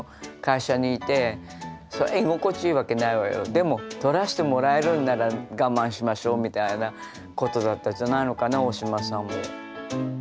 でも撮らしてもらえるんなら我慢しましょうみたいなことだったんじゃないのかな大島さんも。